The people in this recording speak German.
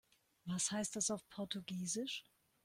Was heißt das auf Portugiesisch?